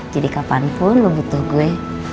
jadi kapanpun lo butuh gue